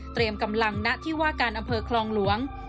เตรียมกำลังณะที่ว่าการอำเภอครองหลวง